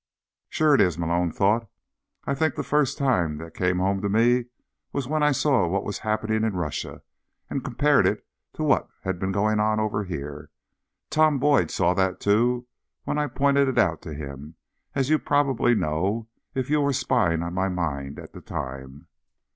Sure it is, Malone thought. _I think the first time that came home to me was when I saw what was happening in Russia, and compared it to what had been going on over here. Tom Boyd saw that, too, when I pointed it out to him—as you probably know if you were spying on my mind at the time.